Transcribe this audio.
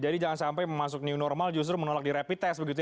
jadi jangan sampai masuk new normal justru menolak di rapid test